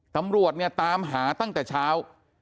ตำรวจเนี่ยตามหาตั้งแต่เช้า